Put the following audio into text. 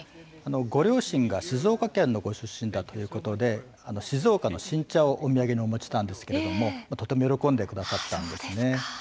ご両親が静岡県のご出身だということで静岡の新茶をお土産にお持ちしたんですけれどもとても喜んでくださったんですね。